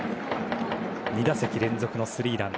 ２打席連続のスリーラン。